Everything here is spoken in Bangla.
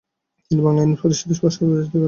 তিনি বাংলার আইন পরিষদের সদস্য নির্বাচিত হন।